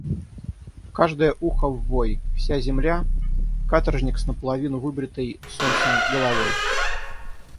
В каждое ухо ввой: вся земля — каторжник с наполовину выбритой солнцем головой!